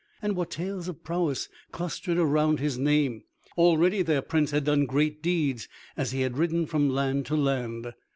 And what tales of prowess clustered around his name! Already their Prince had done great deeds as he had ridden from land to land.